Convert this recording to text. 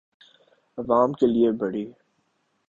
آعوام کے لئے بڑی